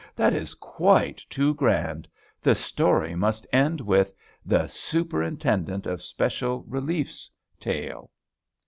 that is quite too grand, the story must end with THE SUPERINTENDENT OF SPECIAL RELIEF'S TALE.